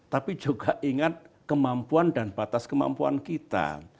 tapi juga ingat kemampuan dan batas kemampuan kita